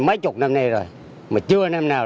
mấy chục năm nay rồi mà chưa năm nào